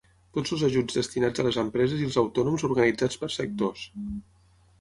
Tots els ajuts destinats a les empreses i els autònoms organitzats per sectors.